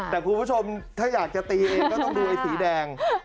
แต่คุณผู้ชมถ้าอยากจะตีเองก็ต้องดูไอ้สีแดง